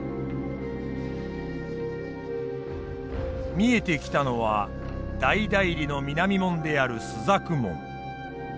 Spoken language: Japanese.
見えてきたのは大内裏の南門である朱雀門。